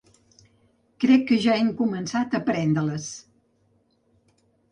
Crec que ja hem començat a prendre-les.